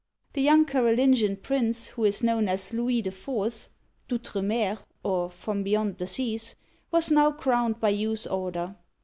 The young Carolingian prince, who is known as Louis IV. {(f Outre mer^ or " From Be yond the Seas "), was now crowned by Hugh's order.